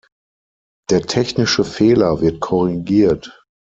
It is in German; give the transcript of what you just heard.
Der technische Fehler wird korrigiert.